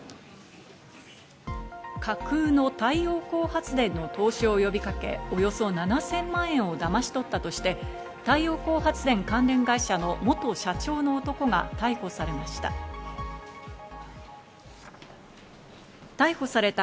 架空の太陽光発電の投資を呼びかけ、およそ７０００万円をだまし取ったとして、太陽光発電関連会社の元社長の男が逮捕されました。